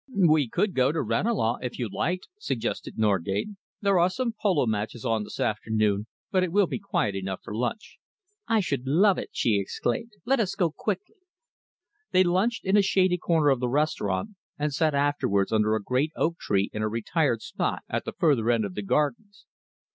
"We could go to Ranelagh, if you liked," suggested Norgate. "There are some polo matches on this afternoon, but it will be quiet enough for lunch." "I should love it!" she exclaimed. "Let us go quickly." They lunched in a shady corner of the restaurant and sat afterwards under a great oak tree in a retired spot at the further end of the gardens.